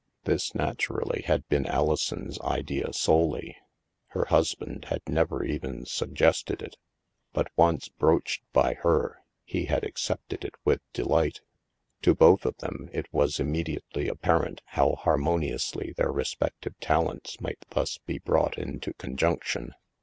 This, naturally, had been Alison's idea solely; her husband had never even suggested it. But, once broached by her, he had accepted it with delight. To both of them it was immediately apparent how harmoniously their respective talents might thus be brought into conjunction.